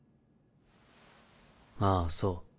あぁそう。